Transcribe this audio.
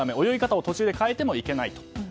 泳ぎ方を途中で変えてもいけないと。